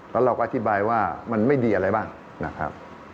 แล้วเราก็อธิบายว่ามันไม่ดีอะไรบ้างนะครับ